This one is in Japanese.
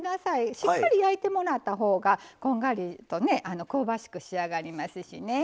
しっかり焼いてもらったほうがこんがりとね香ばしく仕上がりますしね。